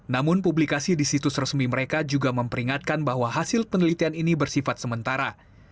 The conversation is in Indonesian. namun publikasi di situs resmi mereka juga memperingatkan bahwa hasil penelitian ini bersifat sementara